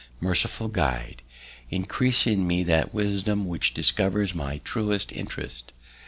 merciful Guide! Increase in me that wisdom which discovers my truest interest.